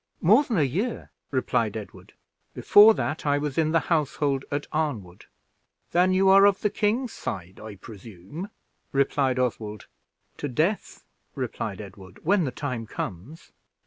"More than a year," replied Edward; "before that, I was in the household at Arnwood." "Then you are of the king's side, I presume?" replied Oswald. "To death," replied Edward, "when the time comes."